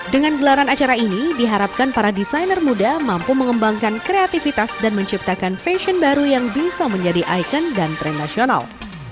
dengan gelaran acara ini diharapkan para desainer muda mampu mengembangkan kreativitas dan menciptakan fashion baru yang bisa menjadi ikon dan tren nasional